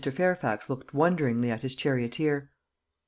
Fairfax looked wonderingly at his charioteer.